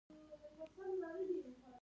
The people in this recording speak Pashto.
شپږم لوست